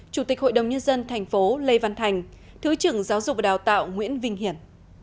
chủ tịch hội đồng nhân dân thành phố lê văn thành thứ trưởng giáo dục và đào tạo nguyễn vinh hiển